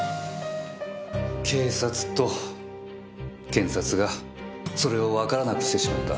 警察と検察がそれをわからなくしてしまった。